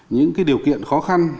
những điều kiện khó khăn